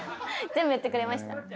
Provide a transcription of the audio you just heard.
全部言ってくれました。